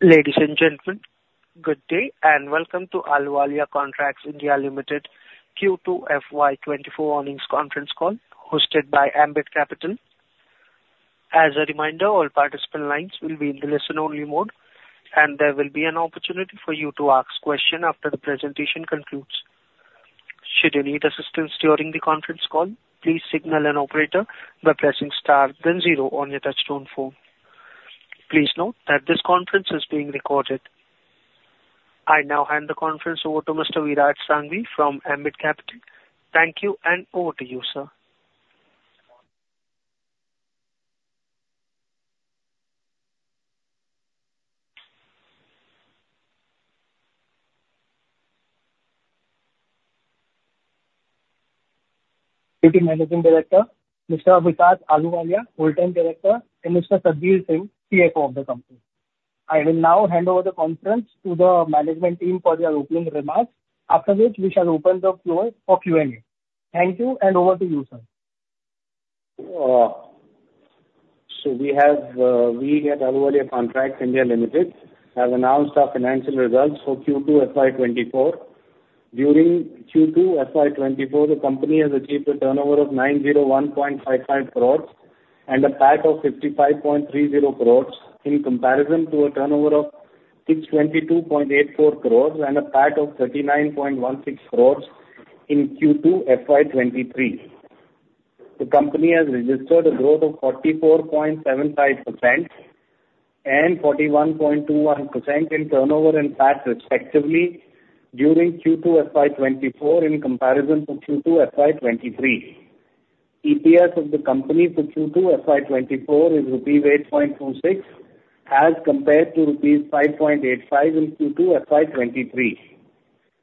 Ladies and gentlemen, good day and welcome to Ahluwalia Contracts (India) Ltd Q2FY24 earnings conference call, hosted by Ambit Capital. As a reminder, all participant lines will be in the listen-only mode, and there will be an opportunity for you to ask questions after the presentation concludes. Should you need assistance during the conference call, please signal an operator by pressing star then zero on your touch-tone phone. Please note that this conference is being recorded. I now hand the conference over to Mr. Virat Salvi from Ambit Capital. Thank you, and over to you, sir. To the Managing Director, Mr. Vikas Ahluwalia, full-time director, and Mr. Satbeer Singh, CFO of the company. I will now hand over the conference to the management team for their opening remarks, after which we shall open the floor for Q&A. Thank you, and over to you, sir. We have at Ahluwalia Contracts (India) Ltd have announced our financial results for Q2FY24. During Q2FY24, the company has achieved a turnover of 901.55 crores and a PAT of 55.30 crores in comparison to a turnover of 622.84 crores and a PAT of 39.16 crores in Q2FY23. The company has registered a growth of 44.75% and 41.21% in turnover and PAT respectively during Q2FY24 in comparison to Q2FY23. EPS of the company for Q2FY24 is rupees 8.26 as compared to rupees 5.85 in Q2FY23.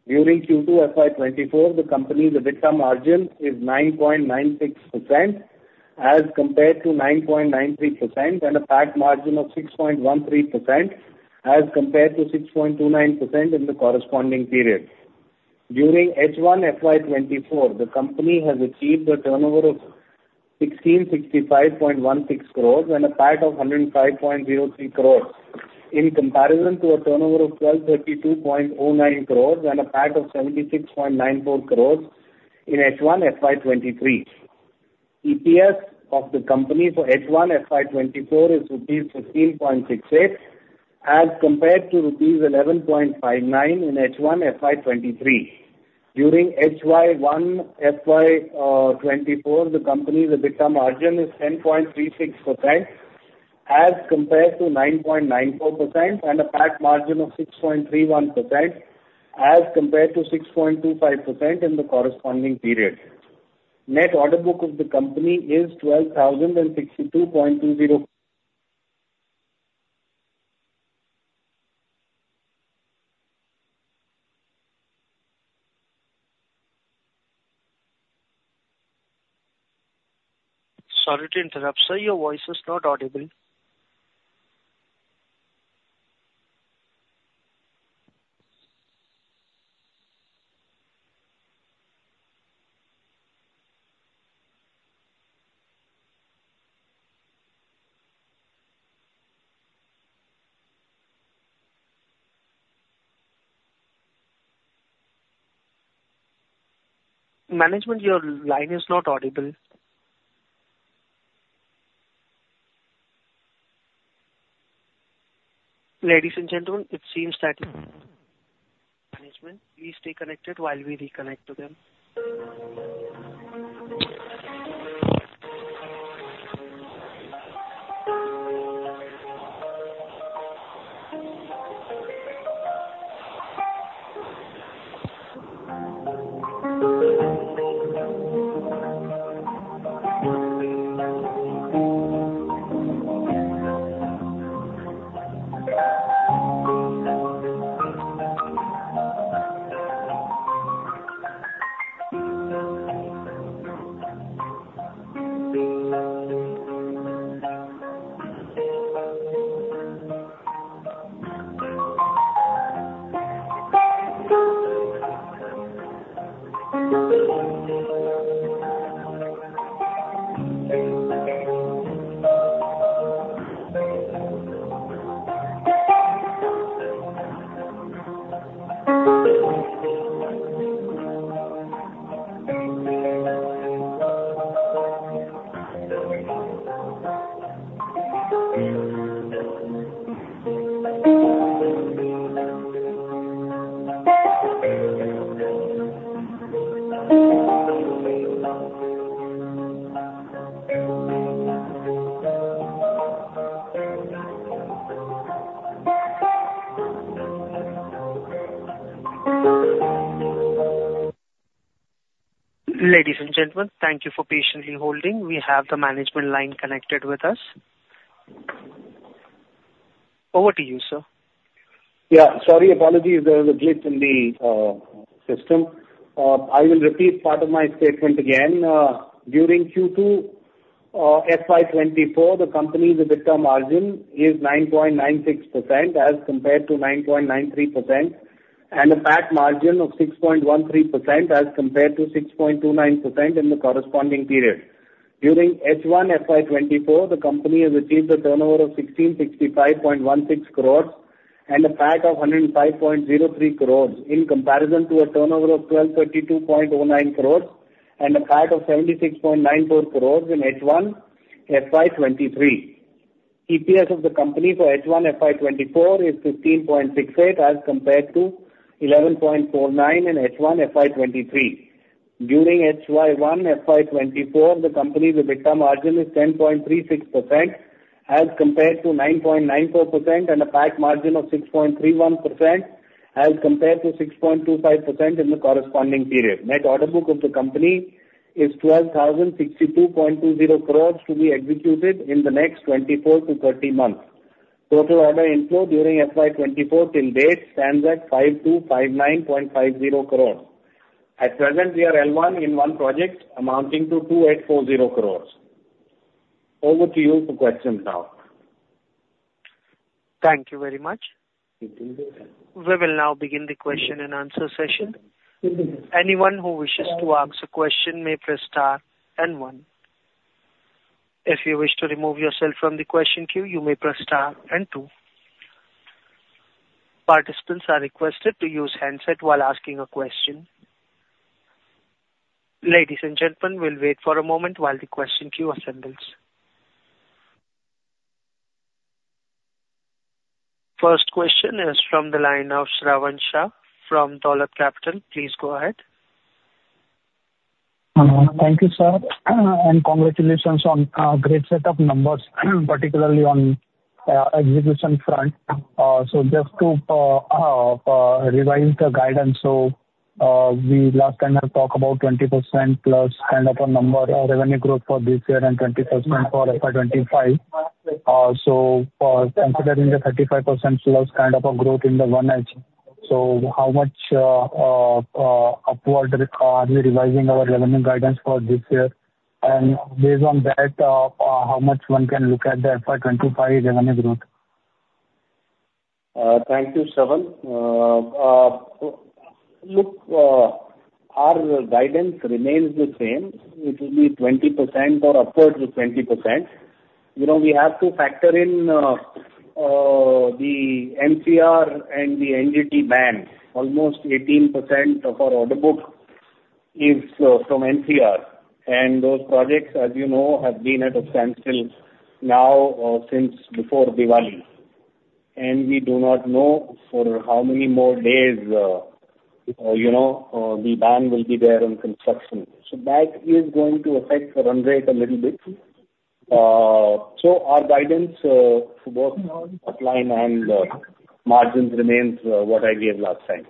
During Q2FY24, the company's EBITDA margin is 9.96% as compared to 9.93%, and a PAT margin of 6.13% as compared to 6.29% in the corresponding period. During H1FY24, the company has achieved a turnover of 1,665.16 crores and a PAT of 105.03 crores in comparison to a turnover of 1,232.09 crores and a PAT of 76.94 crores in H1FY23. EPS of the company for H1FY24 is rupees 15.68 as compared to rupees 11.59 in H1FY23. During H1FY24, the company's EBITDA margin is 10.36% as compared to 9.94%, and a PAT margin of 6.31% as compared to 6.25% in the corresponding period. Net order book of the company is 12,062.20. Sorry to interrupt, sir. Your voice is not audible. Management, your line is not audible. Ladies and gentlemen, it seems that management. Please stay connected while we reconnect to them. Ladies and gentlemen, thank you for patiently holding. We have the management line connected with us. Over to you, sir. Yeah, sorry, apologies, there was a glitch in the system. I will repeat part of my statement again. During Q2FY24, the company's EBITDA margin is 9.96% as compared to 9.93%, and a PAT margin of 6.13% as compared to 6.29% in the corresponding period. During H1FY24, the company has achieved a turnover of 1,665.16 crores and a PAT of 105.03 crores in comparison to a turnover of 1,232.09 crores and a PAT of 76.94 crores in H1FY23. EPS of the company for H1FY24 is 15.68 as compared to 11.49 in H1FY23. During H1FY24, the company's EBITDA margin is 10.36% as compared to 9.94%, and a PAT margin of 6.31% as compared to 6.25% in the corresponding period. Net order book of the company is 12,062.20 crores to be executed in the next 24 to 30 months. Total order inflow during FY24 till date stands at 5,259.50 crores. At present, we are L1 in one project amounting to 2,840 crores. Over to you for questions now. Thank you very much. We will now begin the question and answer session. Anyone who wishes to ask a question may press star and one. If you wish to remove yourself from the question queue, you may press star and two. Participants are requested to use handset while asking a question. Ladies and gentlemen, we'll wait for a moment while the question queue assembles. First question is from the line of Shravan Shah from Dolat Capital. Please go ahead. Thank you, sir, and congratulations on a great set of numbers, particularly on the execution front. So just to revise the guidance, so we last time had talked about 20% plus kind of a number revenue growth for this year and 20% for FY25. So considering the 35% plus kind of a growth in the order book, so how much upward are we revising our revenue guidance for this year? And based on that, how much one can look at the FY25 revenue growth? Thank you, Shravan. Look, our guidance remains the same. It will be 20% or upwards of 20%. We have to factor in the NCR and the NGT ban. Almost 18% of our order book is from NCR, and those projects, as you know, have been at a standstill now since before Diwali. And we do not know for how many more days the ban will be there on construction. So that is going to affect the run rate a little bit. So our guidance for both upside and margins remains what I gave last time.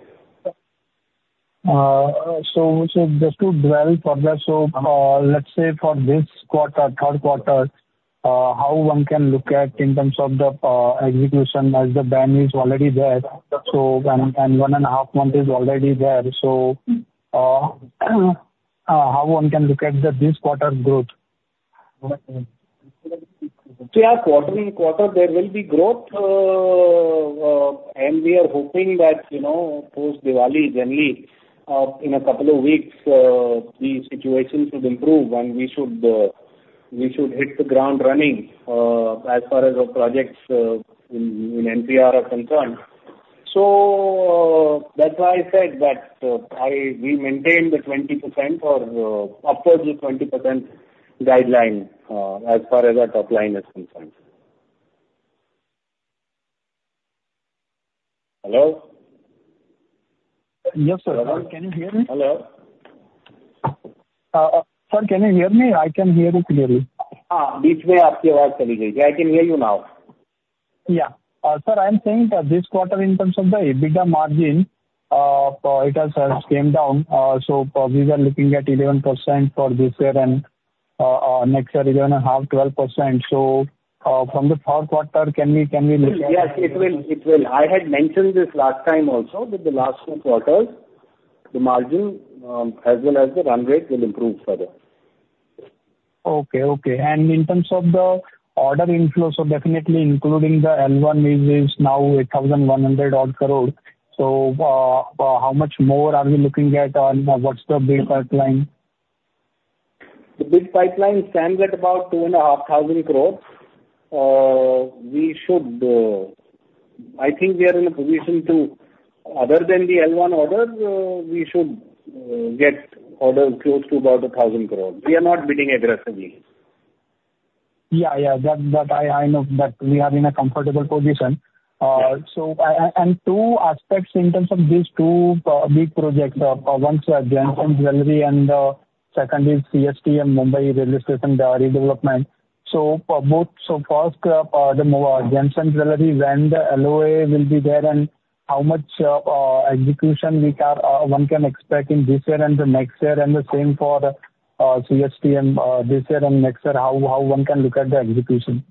So just to dwell further, so let's say for this quarter, third quarter, how one can look at in terms of the execution as the band is already there and one and a half month is already there. So how one can look at this quarter's growth? Yeah, quarter in quarter, there will be growth, and we are hoping that post-Diwali, generally, in a couple of weeks, the situation should improve and we should hit the ground running as far as our projects in NCR are concerned. So that's why I said that we maintain the 20% or upwards of 20% guideline as far as our top line is concerned. Hello? Yes, sir. Can you hear me? Hello? Sir, can you hear me? I can hear you clearly. Beach way, आपकी आवाज चली गई. I can hear you now. Yeah. Sir, I am saying that this quarter, in terms of the EBITDA margin, it has came down. So we were looking at 11% for this year and next year, 11.5%, 12%. So from the third quarter, can we look at? Yes, it will. I had mentioned this last time also that the last two quarters, the margin as well as the run rate will improve further. Okay, okay. And in terms of the order inflow, so definitely including the L1, which is now 8,100-odd crores, so how much more are we looking at? What's the bid pipeline? The bid pipeline stands at about 2,500 crores. We should, I think we are in a position to, other than the L1 orders, we should get orders close to about 1,000 crores. We are not bidding aggressively. Yeah, yeah, that I know that we are in a comfortable position, and two aspects in terms of these two big projects, one is Gems & Jewellery, and the second is CSTM, Mumbai Railway Station redevelopment, so first, Gems & Jewellery, when the LOA will be there, and how much execution one can expect in this year and the next year, and the same for CSTM this year and next year, how one can look at the execution?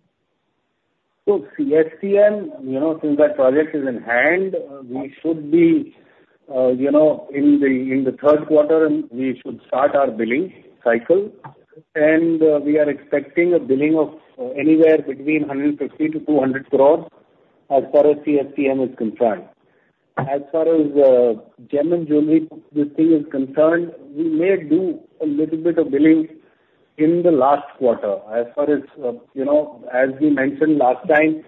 So, CSTM, since that project is in hand, we should be in the third quarter, and we should start our billing cycle. And we are expecting a billing of anywhere between 150 crore to 200 crore as far as CSTM is concerned. As far as Gem and Jewelry, this thing is concerned, we may do a little bit of billing in the last quarter. As far as, as we mentioned last time,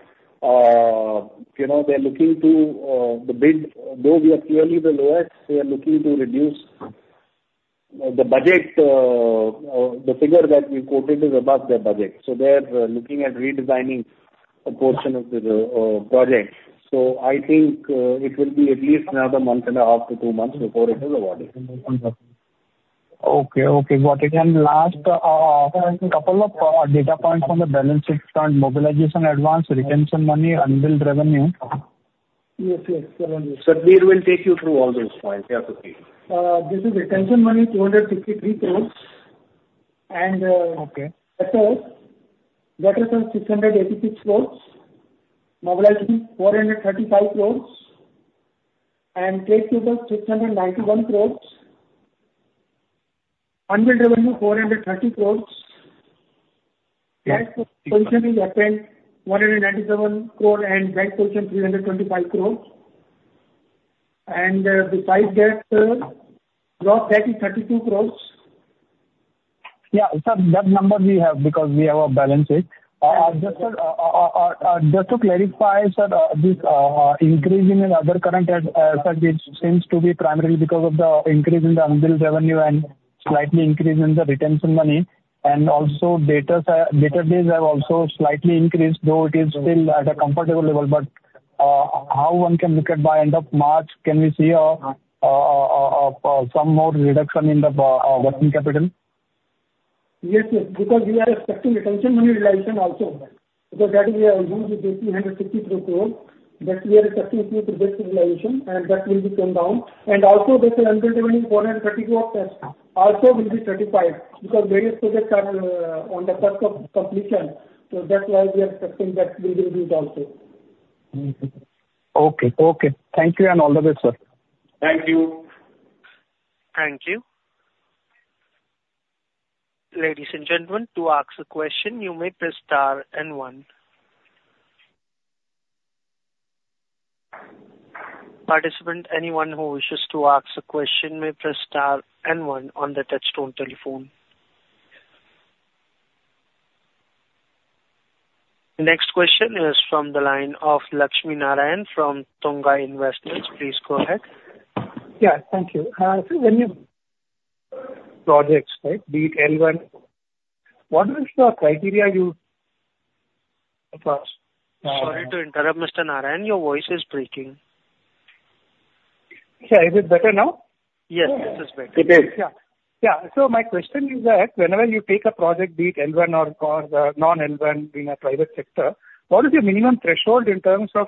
they're looking to the bid, though we are clearly the lowest, we are looking to reduce the budget. The figure that we quoted is above their budget. So they're looking at redesigning a portion of the project. So I think it will be at least another month and a half to two months before it is awarded. Okay, okay. Got it. And last couple of data points on the balance sheet front, mobilization advance, retention money, unbilled revenue. Yes, yes. Sir, we will take you through all those points. This is retention money, 253 crores. And that was 686 crores, mobilization 435 crores, and cash balance 691 crores, unbilled revenue 430 crores. Cash position is at 197 crores and bank position 325 crores. And besides that, debt that is 32 crores. Yeah, sir, that number we have because we have a balance sheet. Just to clarify, sir, this increase in the other current, sir, it seems to be primarily because of the increase in the unbilled revenue and slightly increase in the retention money. And also debtor days have also slightly increased, though it is still at a comfortable level. But how one can look at by end of March, can we see some more reduction in the working capital? Yes, yes. Because we are expecting retention money realization also. Because that we are using INR 353 crores, that we are expecting to project realization, and that will come down. And also that unbilled revenue 430 crores also will be less because various projects are on the path of completion. So that's why we are expecting that will be reduced also. Okay, okay. Thank you and all the best, sir. Thank you. Thank you. Ladies and gentlemen, to ask a question, you may press star and one. Participant, anyone who wishes to ask a question may press star and one on the touch-tone telephone. Next question is from the line of Lakshmi Narayanan from Tunga Investments. Please go ahead. Yeah, thank you. When you. Projects, right? Be it L1. What was the criteria used? Sorry to interrupt, Mr. Narayan, your voice is breaking. Yeah, is it better now? Yes, this is better. It is. So my question is that whenever you take a project be it L1 or non-L1 in a private sector, what is your minimum threshold in terms of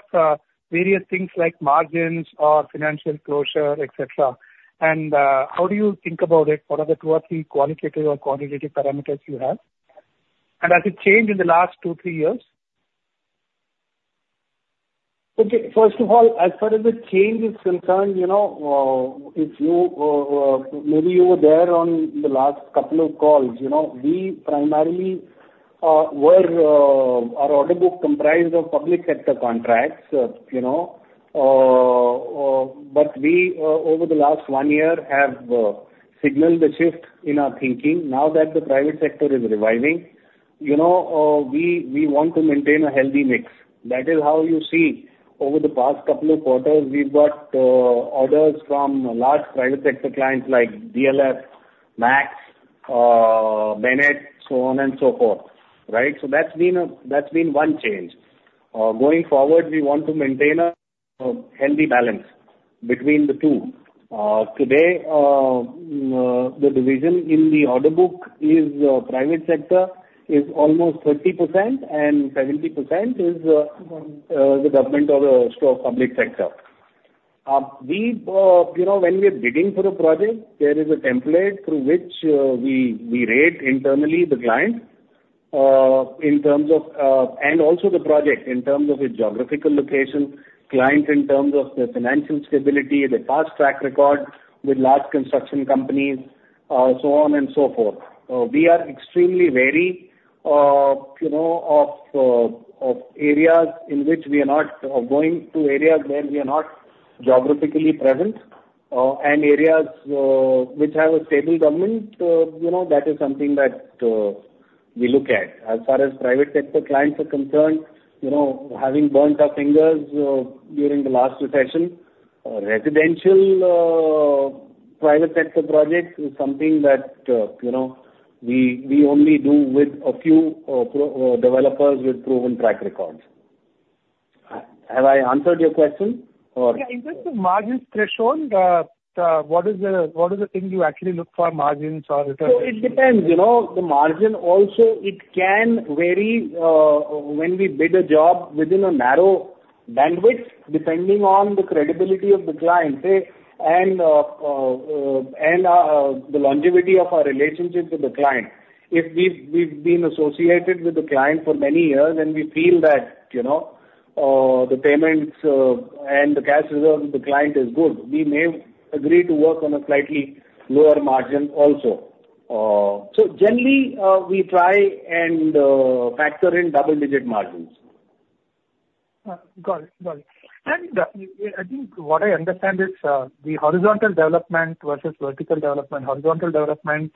various things like margins or financial closure, etc.? And how do you think about it? What are the two or three qualitative or quantitative parameters you have? And has it changed in the last two, three years? Okay. First of all, as far as the change is concerned, maybe you were there on the last couple of calls. We primarily were our order book comprised of public sector contracts. But we, over the last one year, have signaled the shift in our thinking. Now that the private sector is reviving, we want to maintain a healthy mix. That is how you see over the past couple of quarters, we've got orders from large private sector clients like DLF, Max, Bennett, so on and so forth, right? So that's been one change. Going forward, we want to maintain a healthy balance between the two. Today, the division in the order book is private sector is almost 30%, and 70% is the government or the public sector. When we are bidding for a project, there is a template through which we rate internally the client in terms of and also the project in terms of its geographical location, client in terms of the financial stability, the past track record with large construction companies, so on and so forth. We are extremely wary of areas in which we are not going to areas where we are not geographically present, and areas which have a stable government, that is something that we look at. As far as private sector clients are concerned, having burnt our fingers during the last recession, residential private sector projects is something that we only do with a few developers with proven track records. Have I answered your question? Yeah. In terms of margins threshold, what is the thing you actually look for, margins or returns? So it depends. The margin also, it can vary when we bid a job within a narrow bandwidth, depending on the credibility of the client and the longevity of our relationship with the client. If we've been associated with the client for many years and we feel that the payments and the cash reserves of the client are good, we may agree to work on a slightly lower margin also. So generally, we try and factor in double-digit margins. Got it. Got it. And I think what I understand is the horizontal development versus vertical development. Horizontal development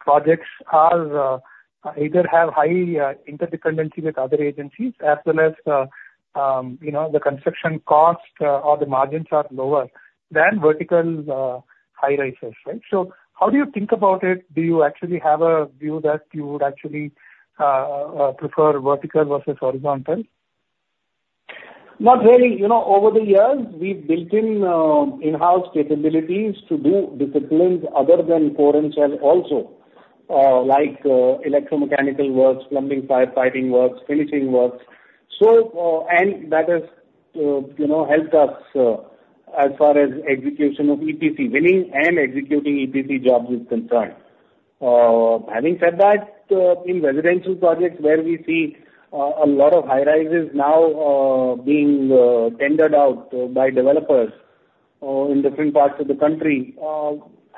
projects either have high interdependency with other agencies as well as the construction cost or the margins are lower than vertical high rises, right? So how do you think about it? Do you actually have a view that you would actually prefer vertical versus horizontal? Not really. Over the years, we've built in-house capabilities to do disciplines other than core and shell also, like electromechanical works, plumbing, firefighting works, finishing works. And that has helped us as far as execution of EPC, winning and executing EPC jobs is concerned. Having said that, in residential projects where we see a lot of high rises now being tendered out by developers in different parts of the country,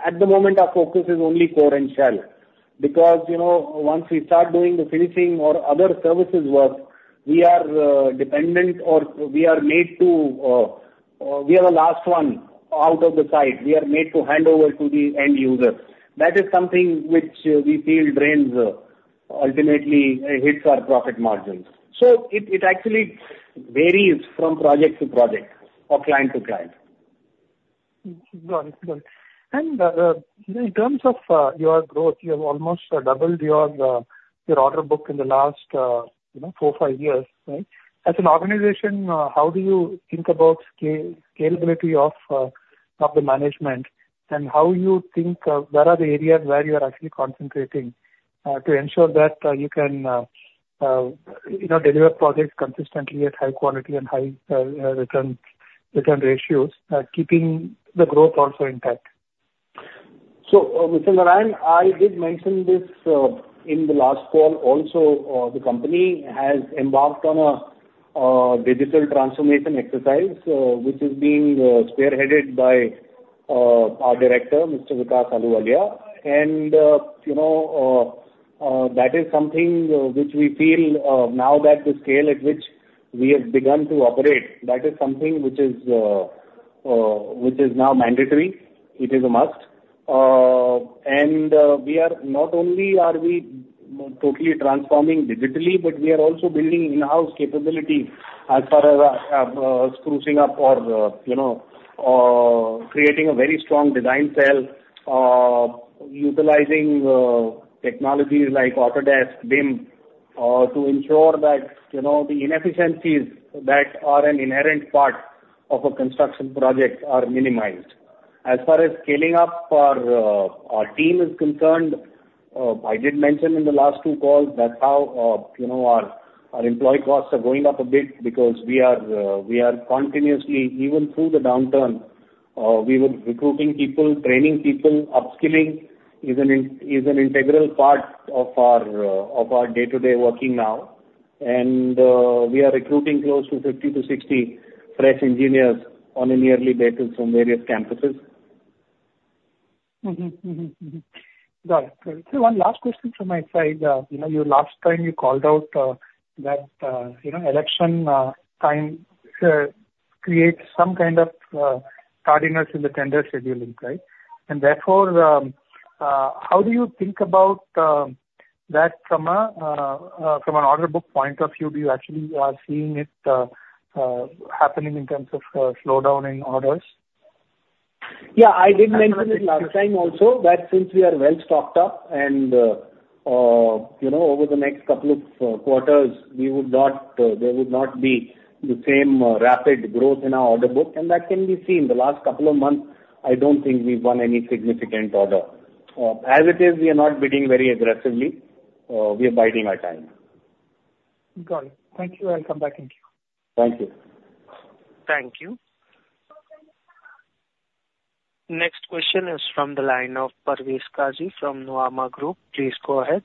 at the moment, our focus is only core and shell. Because once we start doing the finishing or other services work, we are dependent or we are made to be the last one out of the site. We are made to hand over to the end user. That is something which we feel drains ultimately hits our profit margins. So it actually varies from project to project or client to client. Got it. Got it. And in terms of your growth, you have almost doubled your order book in the last four, five years, right? As an organization, how do you think about scalability of the management and how you think what are the areas where you are actually concentrating to ensure that you can deliver projects consistently at high quality and high return ratios, keeping the growth also intact? So Mr. Narayan, I did mention this in the last call also. The company has embarked on a digital transformation exercise, which is being spearheaded by our director, Mr. Vikas Ahluwalia. And that is something which we feel now that the scale at which we have begun to operate, that is something which is now mandatory. It is a must. And not only are we totally transforming digitally, but we are also building in-house capability as far as sprucing up or creating a very strong design cell, utilizing technologies like Autodesk, BIM to ensure that the inefficiencies that are an inherent part of a construction project are minimized. As far as scaling up our team is concerned, I did mention in the last two calls that our employee costs are going up a bit because we are continuously, even through the downturn, recruiting people, training people. Upskilling is an integral part of our day-to-day working now. We are recruiting close to 50-60 fresh engineers on a yearly basis from various campuses. Got it. Got it. So one last question from my side. Last time you called out that election time creates some kind of tardiness in the tender scheduling, right? And therefore, how do you think about that from an order book point of view? Do you actually see it happening in terms of slowdown in orders? Yeah. I did mention it last time also that since we are well stocked up and over the next couple of quarters, there would not be the same rapid growth in our order book. And that can be seen. The last couple of months, I don't think we've won any significant order. As it is, we are not bidding very aggressively. We are biding our time. Got it. Thank you. I'll come back and check. Thank you. Thank you. Next question is from the line of Parvez Qazi from Nuvama Group. Please go ahead.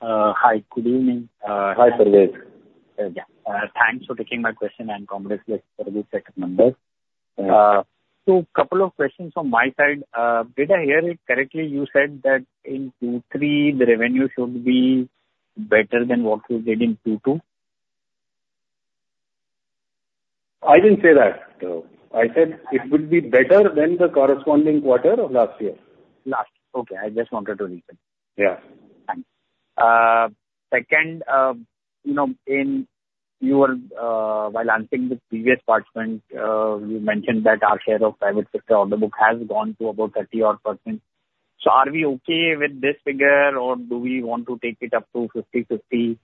Hi. Good evening. Hi, Parvez. Thanks for taking my question. I'm calling for the second number. So a couple of questions from my side. Did I hear it correctly? You said that in Q3, the revenue should be better than what we did in Q2? I didn't say that. I said it would be better than the corresponding quarter of last year. Last year. Okay. I just wanted to repeat. Yeah. Thanks. Second, in your reply while answering the previous parts, you mentioned that our share of private sector order book has gone to about 30-odd%. So are we okay with this figure, or do we want to take it up to 50-50?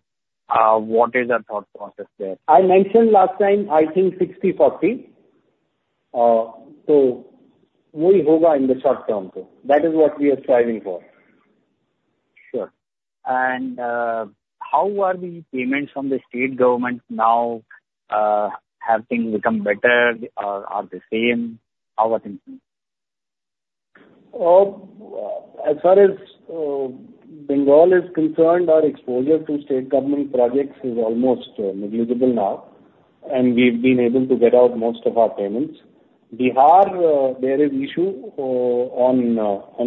What is our thought process there? I mentioned last time, I think 60-40. So what will happen in the short term? That is what we are striving for. Sure. And how are the payments from the state government now? Have things become better or the same? How are things? As far as Bengal is concerned, our exposure to state government projects is almost negligible now, and we've been able to get out most of our payments. Bihar, there is an issue on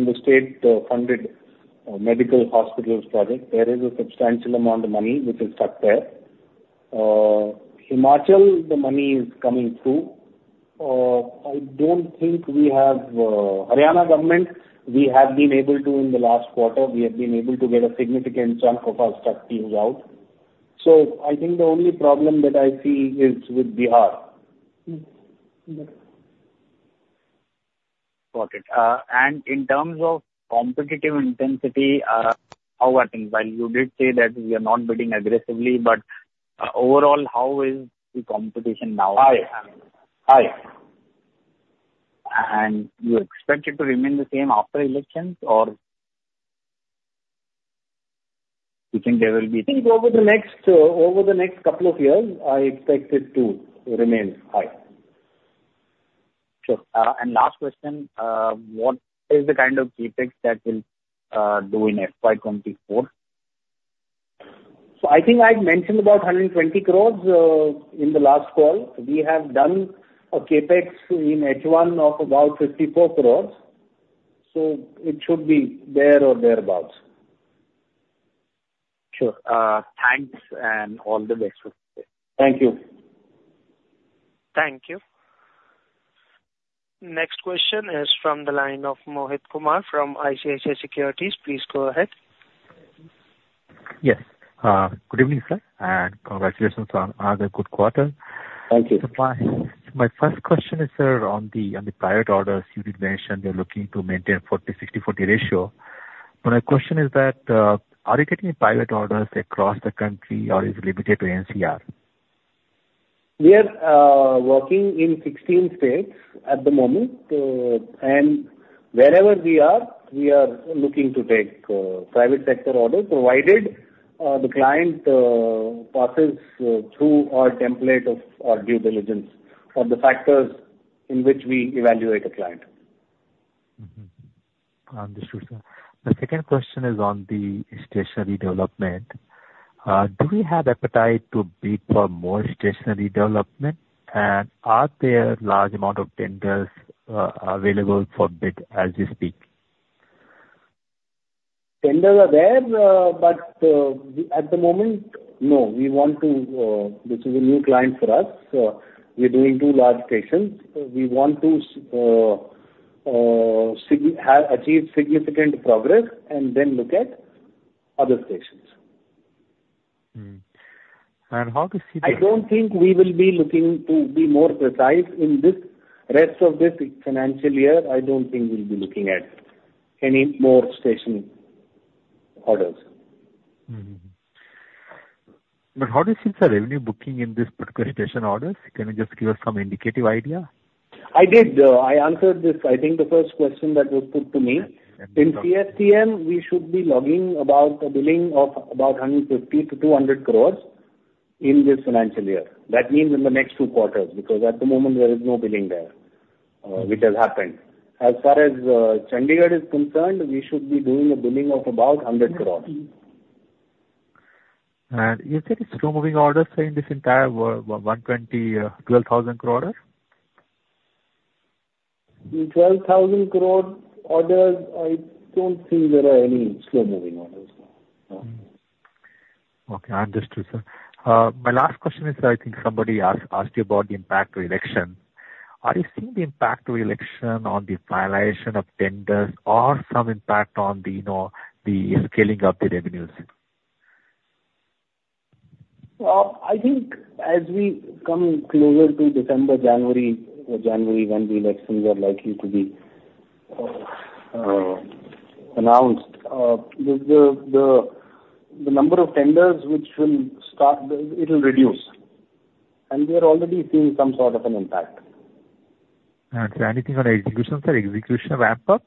the state-funded medical hospitals project. There is a substantial amount of money which is stuck there. Himachal, the money is coming through. I don't think we have Haryana government, we have been able to, in the last quarter, get a significant chunk of our outstandings out. So I think the only problem that I see is with Bihar. Got it and in terms of competitive intensity, how are things? While you did say that we are not bidding aggressively, but overall, how is the competition now? High. High. You expect it to remain the same after elections, or do you think there will be? I think over the next couple of years, I expect it to remain high. Sure. And last question, what is the kind of CapEx that we'll do in FY24? I think I've mentioned about 120 crores in the last call. We have done a CapEx in H1 of about 54 crores. It should be there or thereabouts. Sure. Thanks and all the best for today. Thank you. Thank you. Next question is from the line of Mohit Kumar from ICICI Securities. Please go ahead. Yes. Good evening, sir, and congratulations on another good quarter. Thank you. My first question is, sir, on the private orders, you did mention you're looking to maintain a 40-60-40 ratio. My question is that, are you getting private orders across the country, or is it limited to NCR? We are working in 16 states at the moment. And wherever we are, we are looking to take private sector orders provided the client passes through our template of due diligence or the factors in which we evaluate a client. Understood, sir. My second question is on the station development. Do we have appetite to bid for more station development? And are there large amounts of tenders available for bid as we speak? Tenders are there, but at the moment, no. We want to. This is a new client for us. We're doing two large stations. We want to achieve significant progress and then look at other stations. How does he? I don't think we will be looking to be more precise in the rest of this financial year. I don't think we'll be looking at any more station orders. But how do you think the revenue booking in this particular station orders? Can you just give us some indicative idea? I did. I answered this. I think the first question that was put to me. In CSTM, we should be logging about a billing of about 150 to 200 crores in this financial year. That means in the next two quarters because at the moment, there is no billing there which has happened. As far as Chandigarh is concerned, we should be doing a billing of about 100 crores. Is there a slow-moving order in this entire 120 to 12,000 crore order? 12,000 crore orders, I don't think there are any slow-moving orders. Okay. Understood, sir. My last question is, I think somebody asked you about the impact of election. Are you seeing the impact of election on the finalization of tenders or some impact on the scaling of the revenues? I think as we come closer to December, January, or January when the elections are likely to be announced, the number of tenders which will start, it will reduce. We are already seeing some sort of an impact. Is there anything on the execution, sir? Execution ramp-up?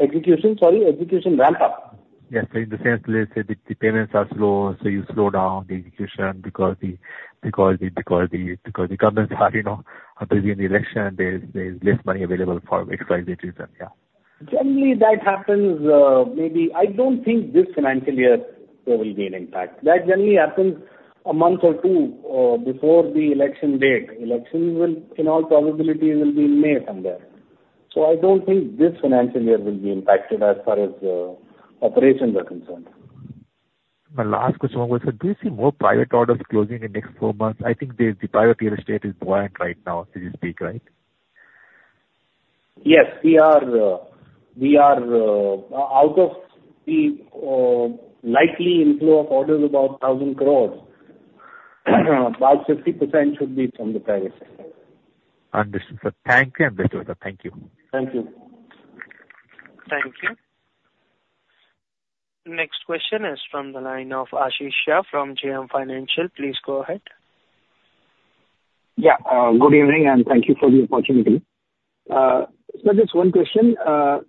Execution? Sorry. Execution ramp-up? Yes. In the sense that the payments are slow, so you slow down the execution because the governments are busy in the election and there's less money available for XYZ reason. Yeah. Generally, that happens maybe I don't think this financial year there will be an impact. That generally happens a month or two before the election date. Elections, in all probability, will be in May somewhere. So I don't think this financial year will be impacted as far as operations are concerned. My last question was, sir, do you see more private orders closing in the next four months? I think the private real estate is buoyant right now as you speak, right? Yes. We are out of the likely inflow of orders about 1,000 crores. About 50% should be from the private sector. Understood, sir. Thank you, Mr. Ahluwalia. Thank you. Thank you. Thank you. Next question is from the line of Ashish Shah from JM Financial. Please go ahead. Yeah. Good evening and thank you for the opportunity. Sir, just one question.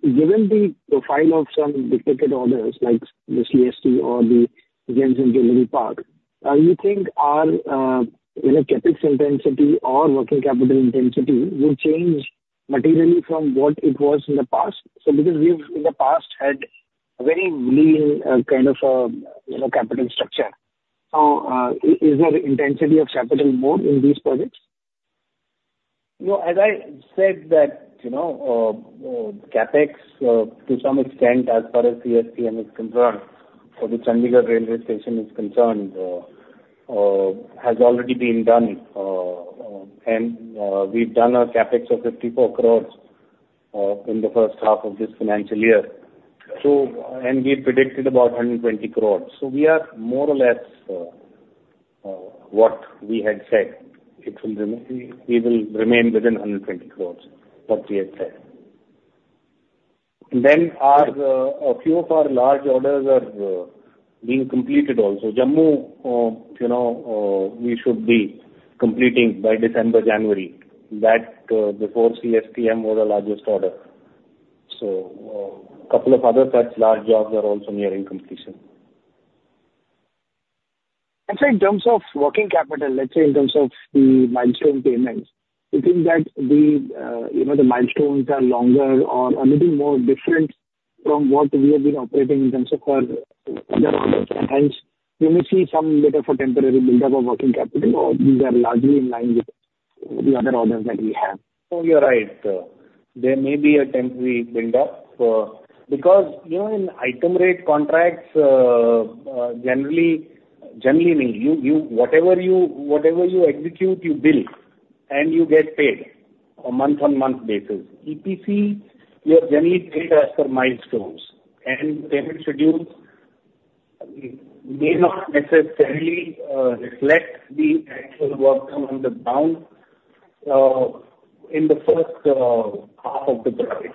Given the profile of some dictated orders like the CSTM or the Gems & Jewellery Park, do you think our CapEx intensity or working capital intensity will change materially from what it was in the past? So because we've in the past had a very lean kind of capital structure. So is there intensity of capital more in these projects? As I said that CapEx, to some extent, as far as CSTM is concerned or the Chandigarh railway station is concerned, has already been done. And we've done a CapEx of 54 crores in the first half of this financial year. And we predicted about 120 crores. So we are more or less what we had said. We will remain within 120 crores, what we had said. And then a few of our large orders are being completed also. Jammu, we should be completing by December, January. That before CSTM was our largest order. So a couple of other such large jobs are also nearing completion. Actually, in terms of working capital, let's say in terms of the milestone payments, do you think that the milestones are longer or a little more different from what we have been operating in terms of our other orders? And hence, you may see some bit of a temporary build-up of working capital, or these are largely in line with the other orders that we have. Oh, you're right. There may be a temporary build-up because in item rate contracts, generally, whatever you execute, you build, and you get paid on a month-on-month basis. EPC, you're generally paid as per milestones. Payment schedules may not necessarily reflect the actual work done on the ground in the first half of the project.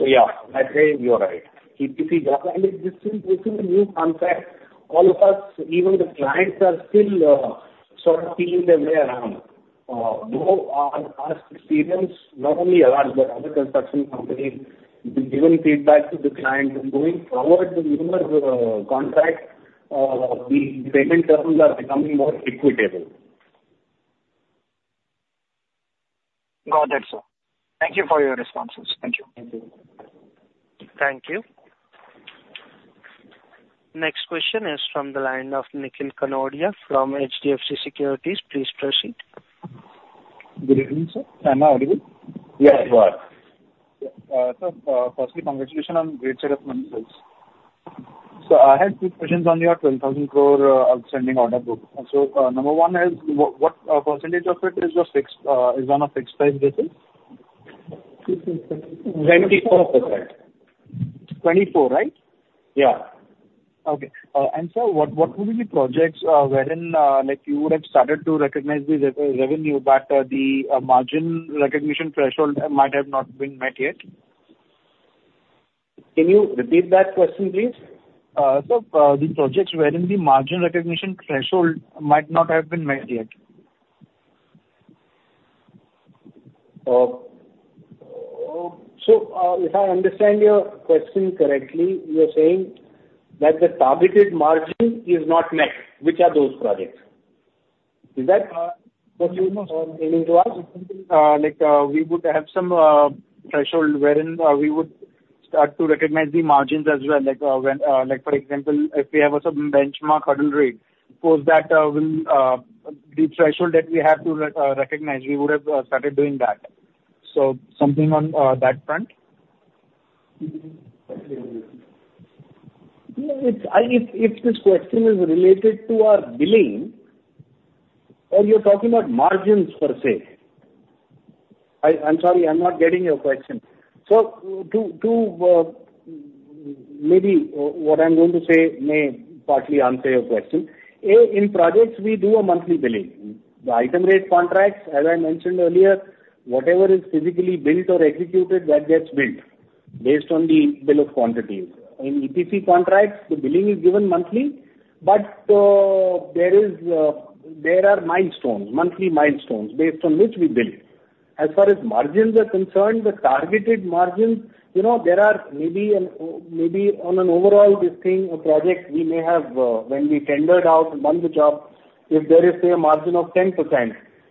Yeah, I'd say you're right. EPC job and existing new contracts, all of us, even the clients, are still sort of feeling their way around. Our past experience, not only ours, but other construction companies, giving feedback to the clients, going forward, the numerous contracts, the payment terms are becoming more equitable. Got it, sir. Thank you for your responses. Thank you. Thank you. Thank you. Next question is from the line of Nikhil Kanodia from HDFC Securities. Please proceed. Good evening, sir. I'm now audible? Yes, you are. Sir, firstly, congratulations on great set of months. So I had two questions on your 12,000 crore outstanding order book. So number one is, what percentage of it is on a fixed price basis? 24%. 24, right? Yeah. Okay. And sir, what would be the projects wherein you would have started to recognize the revenue, but the margin recognition threshold might have not been met yet? Can you repeat that question, please? Sir, the projects wherein the margin recognition threshold might not have been met yet. So if I understand your question correctly, you're saying that the targeted margin is not met. Which are those projects? Is that what you mean to ask? Like we would have some threshold wherein we would start to recognize the margins as well. Like for example, if we have a certain benchmark hurdle rate, suppose that the threshold that we have to recognize, we would have started doing that. So something on that front? If this question is related to our billing, or you're talking about margins per se? I'm sorry, I'm not getting your question. So maybe what I'm going to say may partly answer your question. A, in projects, we do a monthly billing. The item rate contracts, as I mentioned earlier, whatever is physically built or executed, that gets billed based on the bill of quantities. In EPC contracts, the billing is given monthly, but there are monthly milestones based on which we bill. As far as margins are concerned, the targeted margins, there are maybe on an overall listing, a project we may have when we tendered out and done the job, if there is, say, a margin of 10%,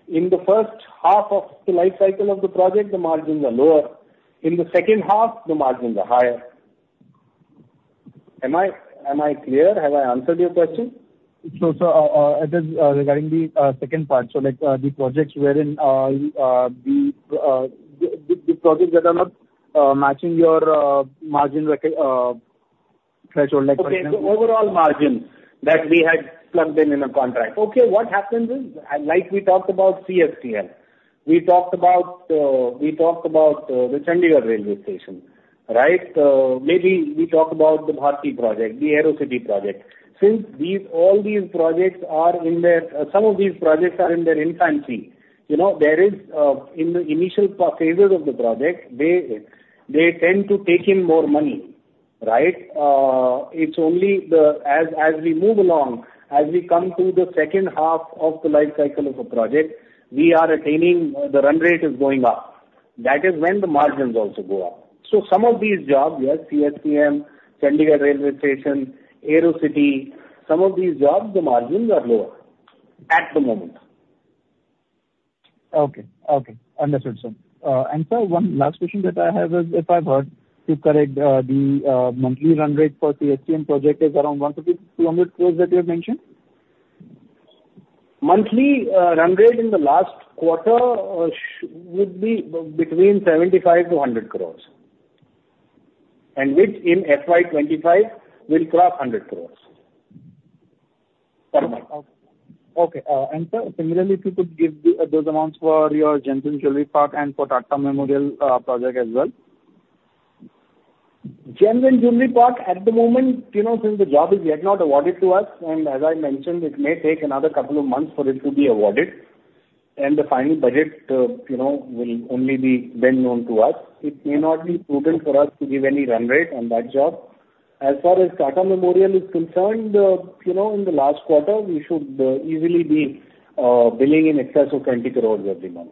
in the first half of the life cycle of the project, the margins are lower. In the second half, the margins are higher. Am I clear? Have I answered your question? sir, regarding the second part, so the projects wherein that are not matching your margin threshold, like for example. Okay. So overall margin that we had plugged in in a contract. Okay. What happens is, like we talked about CSTM, we talked about the Chandigarh railway station, right? Maybe we talked about the Bharti project, the AeroCity project. Since all these projects are in their some of these projects are in their infancy, there is in the initial phases of the project, they tend to take in more money, right? It's only as we move along, as we come to the second half of the life cycle of a project, we are attaining the run rate is going up. That is when the margins also go up. So some of these jobs, yes, CSTM, Chandigarh railway station, AeroCity, some of these jobs, the margins are lower at the moment. Okay. Okay. Understood, sir. And sir, one last question that I have is, if I've heard you correct, the monthly run rate for CSTM project is around 150 to 200 crores that you have mentioned? Monthly run rate in the last quarter would be between 75 to 100 crores, and which in FY25 will cross 100 crores per month. Okay. And sir, similarly, if you could give those amounts for your Gems & Jewellery Park and for Tata Memorial project as well. Gems & Jewellery Park, at the moment, since the job is yet not awarded to us, and as I mentioned, it may take another couple of months for it to be awarded, and the final budget will only be then known to us. It may not be prudent for us to give any run rate on that job. As far as Tata Memorial is concerned, in the last quarter, we should easily be billing in excess of 20 crores every month.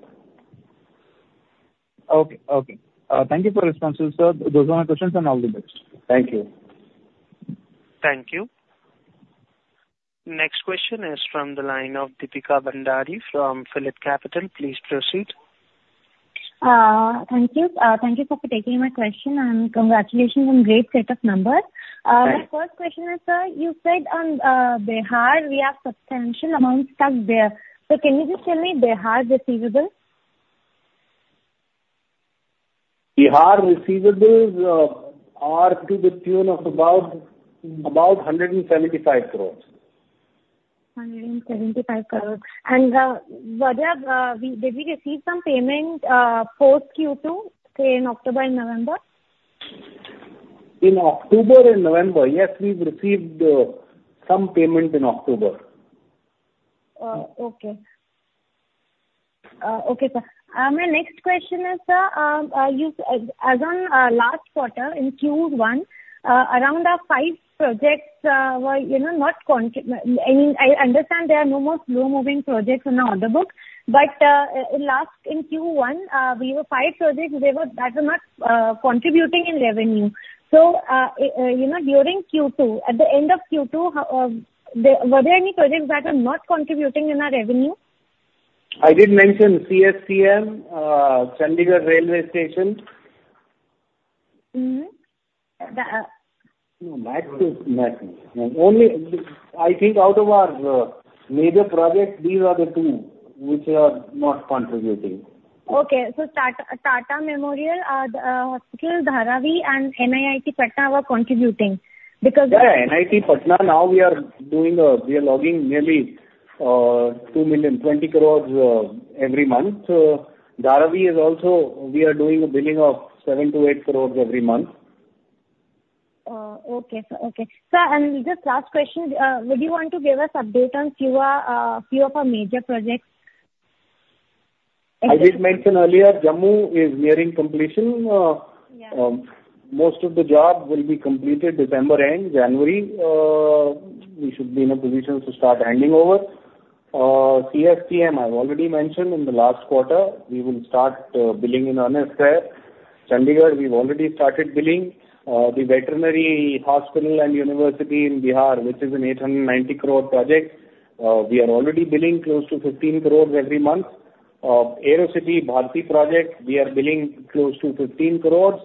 Okay. Okay. Thank you for your responses, sir. Those are my questions, and all the best. Thank you. Thank you. Next question is from the line of Deepika Bhandari from Phillip Capital. Please proceed. Thank you. Thank you, sir, for taking my question, and congratulations on great set of numbers. My first question is, sir, you said on Bihar, we have substantial amounts stuck there, so can you just tell me Bihar receivable? Bihar receivables are to the tune of about 175 crores. 175 crores. Did we receive some payment post-Q2, say in October and November? In October and November, yes, we've received some payment in October. Okay. Okay, sir. My next question is, sir, as on last quarter, in Q1, around five projects were not I mean, I understand there are no more slow-moving projects in the order book, but in Q1, we have five projects that were not contributing in revenue. So during Q2, at the end of Q2, were there any projects that were not contributing in our revenue? I did mention CSTM, Chandigarh railway station. Mm-hmm. No, that's it. That's it. I think out of our major projects, these are the two which are not contributing. Tata Memorial, Hospital Dharavi, and NIT Patna were contributing because. Yeah. NIT Patna, now we are logging nearly 20 crores every month. Dharavi is also, we are doing billing of 7 to 8 crores every month. Okay, sir, and just last question, would you want to give us update on a few of our major projects? I did mention earlier, Jammu is nearing completion. Most of the job will be completed December end, January. We should be in a position to start handing over. CSTM, I've already mentioned in the last quarter, we will start billing in earnest. Chandigarh, we've already started billing. The Veterinary Hospital and University in Bihar, which is an 890 crore project, we are already billing close to 15 crores every month. AeroCity, Bharti project, we are billing close to 15 crores,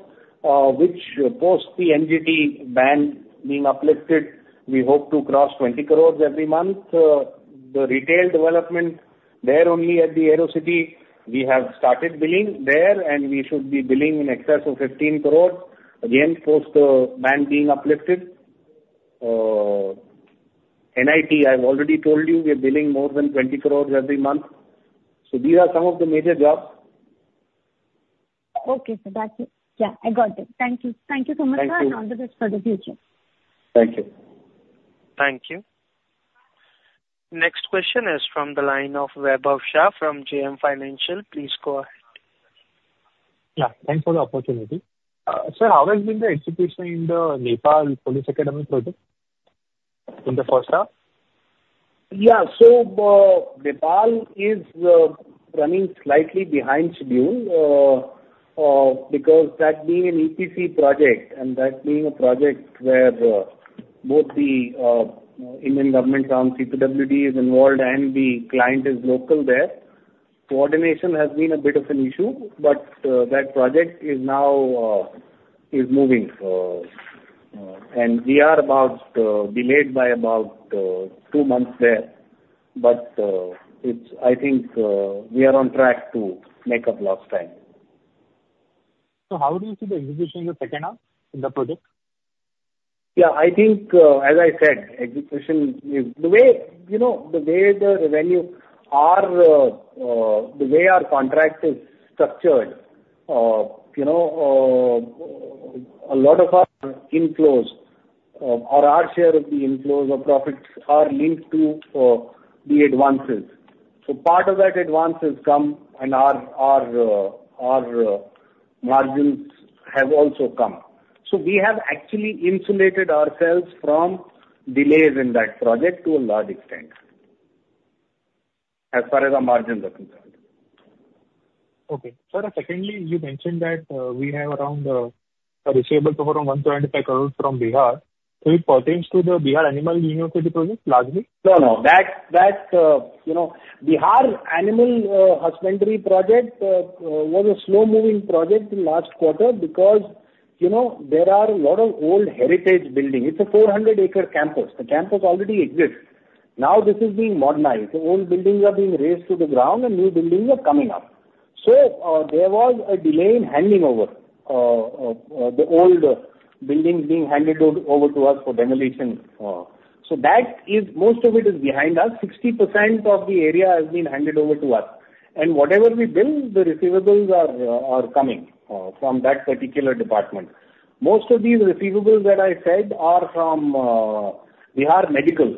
which post the NGT ban being uplifted, we hope to cross 20 crores every month. The retail development there only at the AeroCity, we have started billing there, and we should be billing in excess of 15 crores again post the ban being uplifted. NIT, I've already told you, we are billing more than 20 crores every month. So these are some of the major jobs. Okay. Sir, that's it. Yeah, I got it. Thank you. Thank you so much, sir, and all the best for the future. Thank you. Thank you. Next question is from the line of Vaibhav Shah from JM Financial. Please go ahead. Yeah. Thanks for the opportunity. Sir, how has been the execution in the Nepal Police Academy project in the first half? Yeah. So Nepal is running slightly behind schedule because that being an EPC project and that being a project where both the Indian government arm CPWD is involved and the client is local there, coordination has been a bit of an issue. But that project is now moving. And we are about delayed by about two months there. But I think we are on track to make up lost time. So how do you see the execution in the second half in the project? Yeah. I think, as I said, execution is the way the revenue are the way our contract is structured, a lot of our inflows or our share of the inflows or profits are linked to the advances. So part of that advances come and our margins have also come. So we have actually insulated ourselves from delays in that project to a large extent as far as our margins are concerned. Okay. Sir, secondly, you mentioned that we have around a receivable total of 175 crores from Bihar. So it pertains to the Bihar Animal Sciences University project largely? No, no. Bihar Animal Husbandry project was a slow-moving project in the last quarter because there are a lot of old heritage buildings. It's a 400-acre campus. The campus already exists. Now this is being modernized. Old buildings are being raised to the ground and new buildings are coming up. So there was a delay in handing over the old buildings being handed over to us for demolition. So most of it is behind us. 60% of the area has been handed over to us. And whatever we build, the receivables are coming from that particular department. Most of these receivables that I said are from Bihar Medical,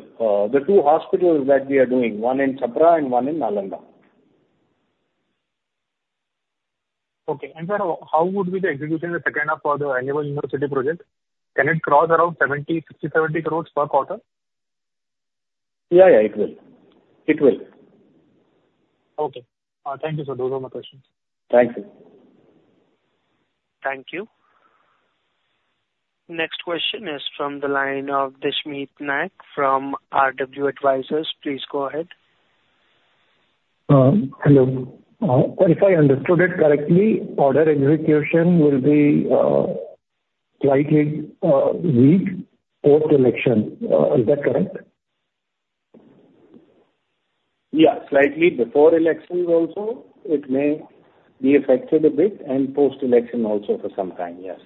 the two hospitals that we are doing, one in Chapra and one in Nalanda. Okay. And sir, how would be the execution in the second half for the Bihar Animal Sciences University project? Can it cross around 60-70 crores per quarter? Yeah, yeah. It will. It will. Okay. Thank you, sir. Those are my questions. Thank you. Thank you. Next question is from the line of Deshmeet Nagi from RW Advisors. Please go ahead. Hello. If I understood it correctly, order execution will be slightly weak post-election. Is that correct? Yeah. Slightly before elections also. It may be affected a bit and post-election also for some time, yes.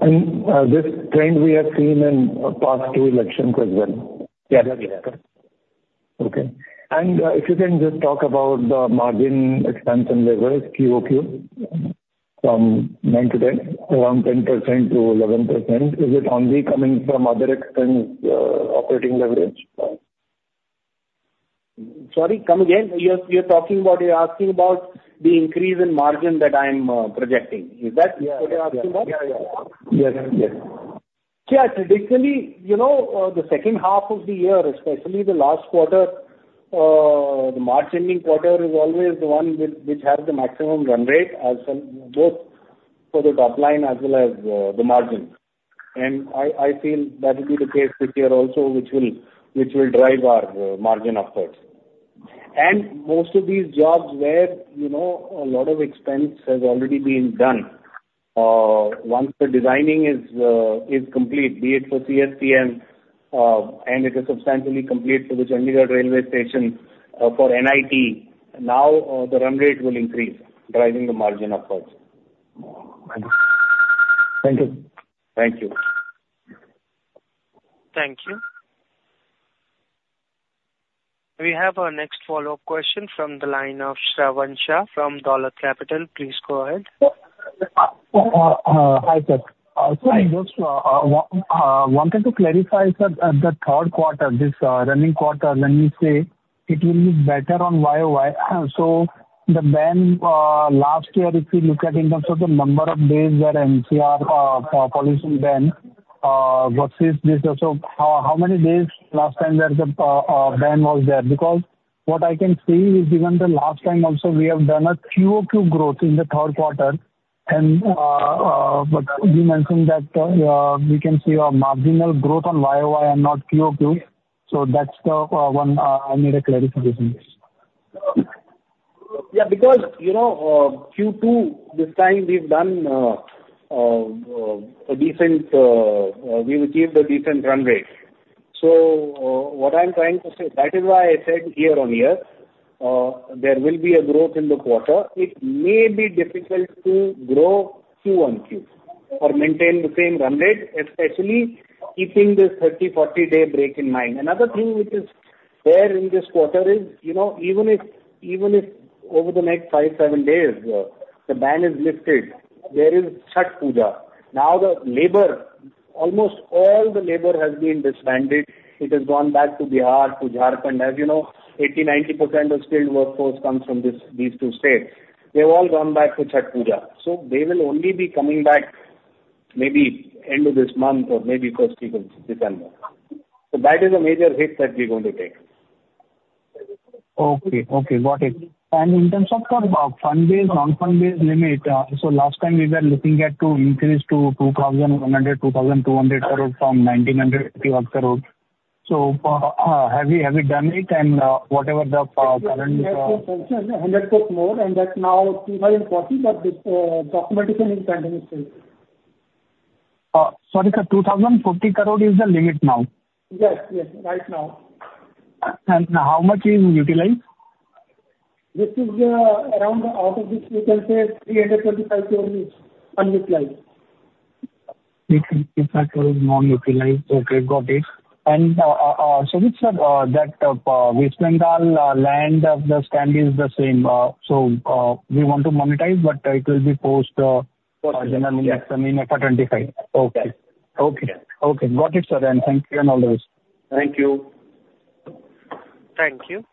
This trend we have seen in past two elections as well. Yes, yes. Okay. And if you can just talk about the margin expansion leverage, QOQ, from 9 to 10, around 10% to 11%, is it only coming from other expense operating leverage? Sorry, come again. You're asking about the increase in margin that I'm projecting. Is that what you're asking about? Yeah, yeah, yeah. Yes, yes. Yeah. Traditionally, the second half of the year, especially the last quarter, the March ending quarter is always the one which has the maximum run rate both for the top line as well as the margin. I feel that will be the case this year also, which will drive our margin upwards. Most of these jobs where a lot of expense has already been done, once the designing is complete, be it for CSTM and it is substantially complete for the Chandigarh railway station for NIT, now the run rate will increase, driving the margin upwards. Thank you. Thank you. Thank you. We have our next follow-up question from the line of Shravan Shah from Dolat Capital. Please go ahead. Hi, sir. So I just wanted to clarify, sir, the third quarter, this running quarter, when you say it will be better on YOY, so the ban last year, if you look at in terms of the number of days that NCR policy banned versus this also, how many days last time that the ban was there? Because what I can see is even the last time also we have done a QOQ growth in the third quarter. And you mentioned that we can see a marginal growth on YOY and not QOQ. So that's the one I need a clarification on. Yeah. Because Q2 this time we've achieved a decent run rate. So what I'm trying to say, that is why I said year-on-year there will be a growth in the quarter. It may be difficult to grow Q1Q or maintain the same run rate, especially keeping this 30-40-day break in mind. Another thing which is there in this quarter is even if over the next five-seven days the ban is lifted, there is Chhath Puja. Now the labor, almost all the labor has been disbanded. It has gone back to Bihar, to Jharkhand. As you know, 80% to 90% of skilled workforce comes from these two states. They've all gone back to Chhath Puja. So they will only be coming back maybe end of this month or maybe first week of December. So that is a major hit that we're going to take. Okay. Okay. Got it. And in terms of the fund-based, non-fund-based limit, so last time we were looking at to increase to 2,100 to 2,200 crores from 1,950 crores. So have we done it? And whatever the current. 100 crores more, and that's now 2,040, but the documentation is continuously. Sorry, sir, 2,040 crores is the limit now? Yes, yes. Right now. How much is utilized? This is around, out of this, we can say 325 crores unutilized. 325 crores non-utilized. Okay. Got it. And so it's that West Bengal land, standalone, is the same. So we want to monetize, but it will be post-general elections, I mean, FY25. Okay. Okay. Okay. Got it, sir. And thank you and all the best. Thank you. Thank you.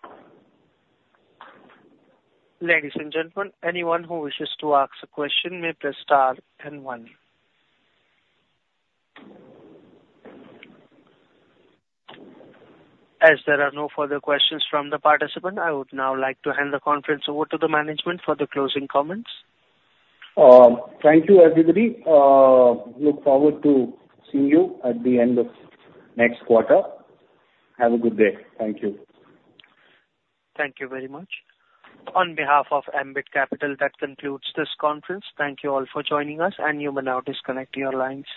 Ladies and gentlemen, anyone who wishes to ask a question may press star and one. As there are no further questions from the participants, I would now like to hand the conference over to the management for the closing comments. Thank you, everybody. Look forward to seeing you at the end of next quarter. Have a good day. Thank you. Thank you very much. On behalf of Ambit Capital, that concludes this conference. Thank you all for joining us, and you may now disconnect your lines.